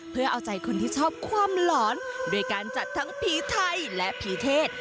เพื่อเอาใจคนที่ชอบความหลอนโดยการจัดทั้งผีไทยและผีเทศ